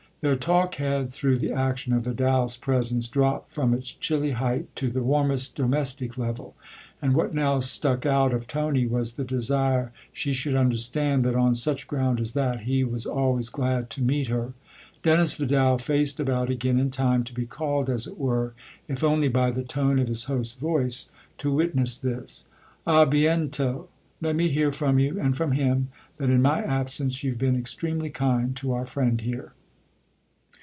Their talk had, through the action of Vidal's presence, dropped from its chilly height to the warmest domestic level, and what now stuck out of Tony was the desire she should understand that on such ground as that he was always glad to meet her. Dennis Vidal faced about again in time to be called, as it were, if only by the tone of his host's voice, to witness this. " A bientot. Let me hear from you and from him that in my absence you've been extremely kind to our friend here."